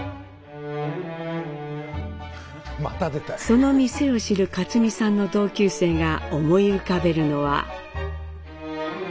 その店を知る克実さんの同級生が思い浮かべるのは。